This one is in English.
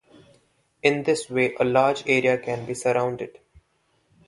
In this way a large area can be surrounded.